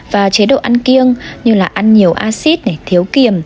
và chế độ ăn kiêng như là ăn nhiều acid này thiếu kiềm